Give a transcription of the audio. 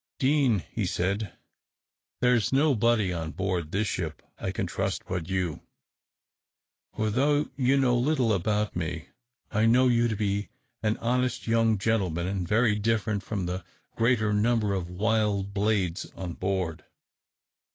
"Deane," he said, "there's nobody on board this ship I can trust but you; for though you know little about me, I know you to be an honest young gentleman, and very different from the greater number of wild blades on board.